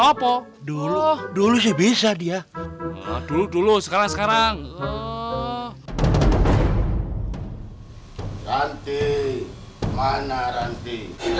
apa dulu dulu sih bisa dia dulu dulu sekarang sekarang nanti mana nanti